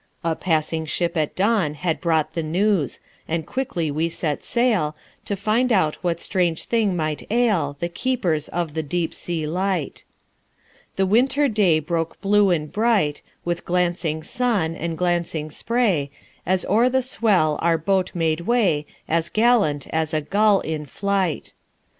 A passing ship at dawn had brought The news; and quickly we set sail, To find out what strange thing might ail The keepers of the deep sea light. The Winter day broke blue and bright, With glancing sun and glancing spray, As o'er the swell our boat made way, As gallant as a gull in flight.